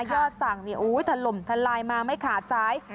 ยอดสั่งถล่มทลายมาไม่ขาดซ้าย